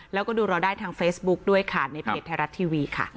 แล้วก็ดูเราได้ทางเฟซบุ๊คด้วยค่ะในเพจไทยรัฐทีวีค่ะ